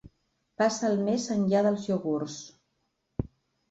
Passa al més enllà dels iogurts.